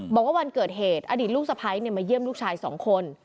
บอกว่าวันเกิดเหตุอดีตลูกสะพ้ายมาเยี่ยมลูกชาย๒คน